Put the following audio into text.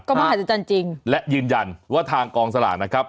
มหัศจรรย์จริงและยืนยันว่าทางกองสลากนะครับ